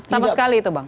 sama sekali itu bang